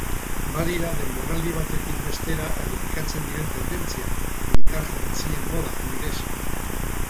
Badira denboraldi batetik bestera errepikatzen diren tendentziak, militar jantzien moda adibidez.